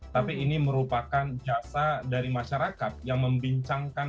tapi ini merupakan jasa dari masyarakat yang membincangkan